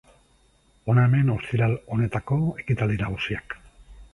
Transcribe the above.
Hona hemen ostiral honetako ekitaldi nagusiak.